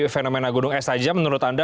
fenomena gunung es saja menurut anda